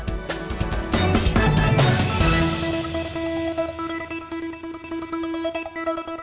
jangan kemana mana tetap bersama kami di cnn indonesian newsroom